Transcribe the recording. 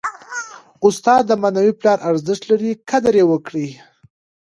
استاد د معنوي پلار ارزښت لري. قدر ئې وکړئ!